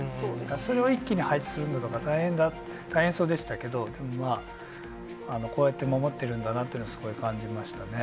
それを一気に配置するのが、大変そうでしたけれども、まあ、こうやって守ってるんだなっていうのをすごい感じましたね。